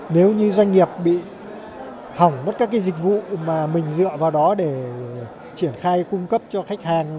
nếu như doanh nghiệp bị hỏng mất các cái dịch vụ mà mình dựa vào đó để triển khai cung cấp cho khách hàng